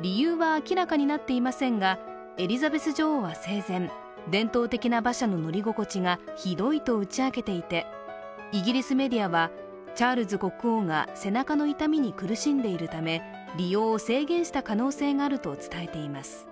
理由は明らかになっていませんがエリザベス女王は生前、伝統的な馬車の乗り心地がひどいと打ち明けていて、イギリスメディアは、チャールズ国王が背中の痛みに苦しんでいるため、利用を制限した可能性があると伝えています。